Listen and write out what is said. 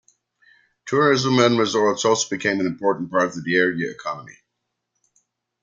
Tourism and resorts also became an important part of the area economy.